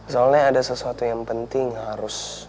soalnya ada sesuatu yang penting harus